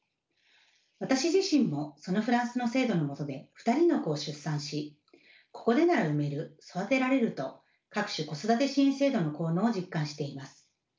私自身もそのフランスの制度の下で２人の子を出産しここでなら産める育てられると各種子育て支援制度の効能を実感しています。